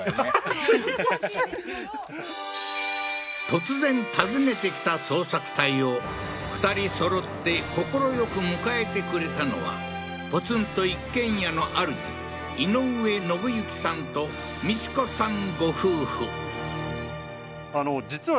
突然訪ねてきた捜索隊を２人そろって快く迎えてくれたのはポツンと一軒家のあるじ井上宣之さんと美智子さん